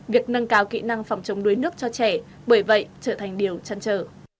việc nâng cao kỹ năng phòng chống đuối nước cho trẻ bởi vậy trở thành điều chăn trở